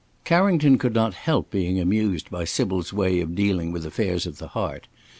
Carrington could not help being amused by Sybil's way of dealing with affairs of the heart.